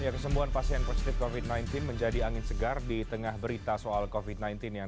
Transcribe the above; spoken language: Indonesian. kesembuhan pasien positif covid sembilan belas menjadi angin segar di tengah berita soal covid sembilan belas yang